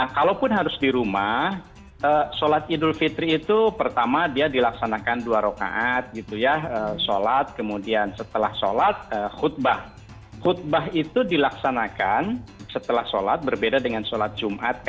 kalau khutbah jumat